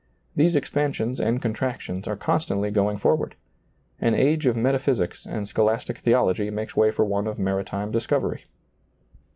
These ex pansions and contractions are constantly going forward. An age of metaphysics and scholastic theology makes way for one of maritime discov ery.